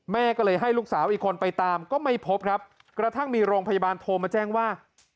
แม่ก็เลยให้ลูกสาวอีกคนไปตามก็ไม่พบครับกระทั่งมีโรงพยาบาลโทรมาแจ้งว่า